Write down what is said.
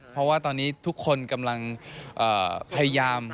เพราะว่าตอนนี้ทุกคนกำลังพยายาม